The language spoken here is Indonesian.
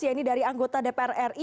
ya ini dari anggota dpr ri